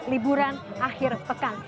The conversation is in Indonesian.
liburan akhir pekan